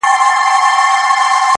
هغه قبرو ته ورځم,